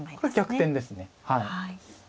これ逆転ですね。